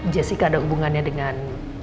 jessica ada hubungannya dengan